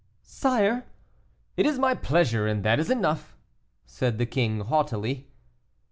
"Sire " "It is my pleasure, and that is enough," said the king, haughtily.